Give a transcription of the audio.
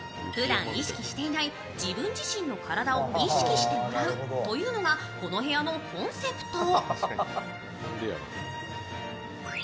ふだん意識していない自分自身の体を意識してもらうというのがこの部屋のコンセプト。